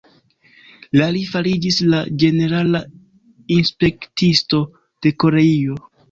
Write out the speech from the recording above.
La li fariĝis la ĝenerala inspektisto de Koreio.